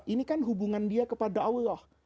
ini kan hubungan dia kepada allah